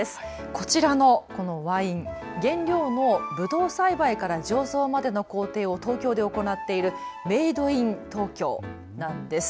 こちらのワイン、原料のぶどう栽培から醸造までの工程を東京で行っているメイドイン東京なんです。